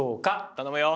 頼むよ。